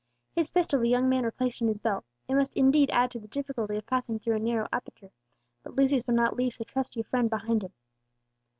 His pistol the young man replaced in his belt; it must indeed add to the difficulty of passing through a narrow aperture, but Lucius would not leave so trusty a friend behind him.